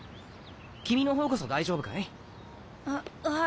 君の方こそ大丈夫かい？ははい。